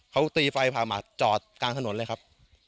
เขาตีไฟพามาจอดกลางถนนเลยครับ